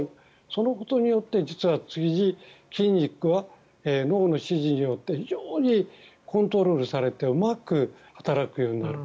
そのことによって実は、筋肉は脳の指示によって非常にコントロールされてうまく働くようになる。